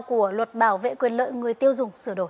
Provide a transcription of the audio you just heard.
của luật bảo vệ quyền lợi người tiêu dùng sửa đổi